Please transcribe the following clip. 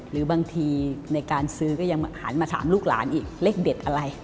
หรือบางทีในการซื้อก็ยังหันมาถามลูกหลานอีกเลขเด็ดอะไร